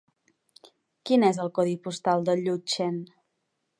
Quin és el codi postal de Llutxent?